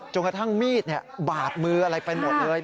กระทั่งมีดบาดมืออะไรไปหมดเลย